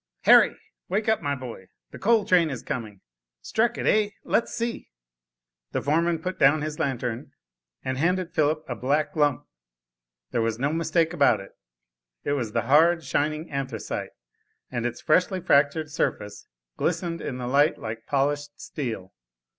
"Harry, wake up, my boy, the coal train is coming. Struck it, eh? Let's see?" The foreman put down his lantern, and handed Philip a black lump. There was no mistake about it, it was the hard, shining anthracite, and its freshly fractured surface, glistened in the light like polished steel.